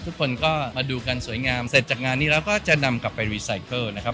ทุกคนก็มาดูกันสวยงามเสร็จจากงานนี้แล้วก็จะนำกลับไปรีไซเคิลนะครับ